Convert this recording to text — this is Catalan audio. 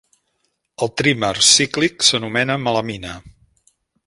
El trímer cíclic s'anomena melamina.